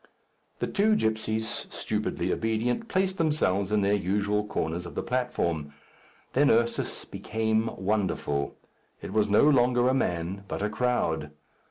The two gipsies, stupidly obedient, placed themselves in their usual corners of the platform. Then Ursus became wonderful. It was no longer a man, but a crowd.